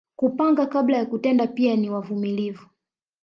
Kupanga kabla ya kutenda pia ni wavumilivu